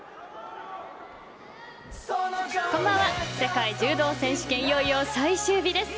こんばんは世界柔道選手権いよいよ最終日です。